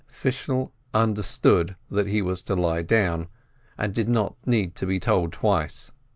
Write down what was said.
Fishel understood that he was to lie down, and did not need to be told twice.